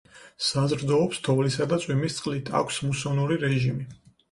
საზრდოობს თოვლისა და წვიმის წყლით, აქვს მუსონური რეჟიმი.